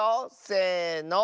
せの。